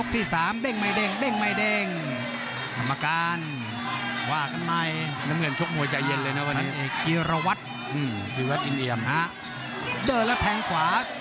ต้องขวางสู้แล้ว